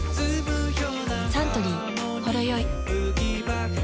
サントリー「ほろよい」